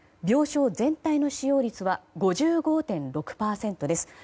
病床全体の使用率は５５．６％です。